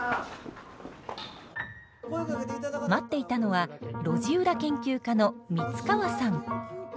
待っていたのは路地裏研究家の光川さん。